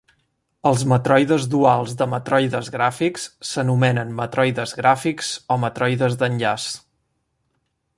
Els matroides duals de matroides gràfics s'anomenen matroides gràfics o matroides d'enllaç.